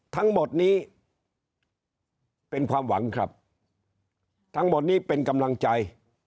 ทั้งหมดนี้เป็นความหวังครับทั้งหมดนี้เป็นกำลังใจ